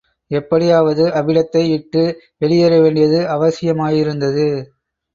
எப்படியாவது அவ்விடத்தை விட்டு வெளியேற வேண்டியது அவசியமாயிருந்தது.